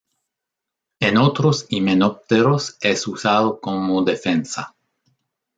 En otros himenópteros es usado como defensa.